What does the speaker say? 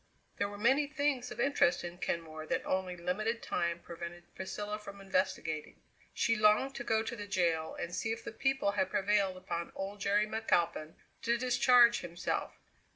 There were many things of interest in Kenmore that only limited time prevented Priscilla from investigating. She longed to go to the jail and see if the people had prevailed upon old Jerry McAlpin to discharge himself.